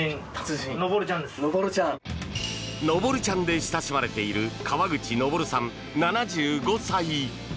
昇ちゃんで親しまれている川口昇さん、７５歳。